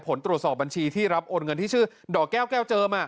ผลตรวจสอบบัญชีที่รับโอนเงินที่ชื่อดอกแก้วแก้วเจิม